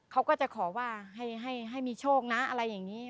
เขาก็จะขอว่าให้มีโชคนะอะไรอย่างนี้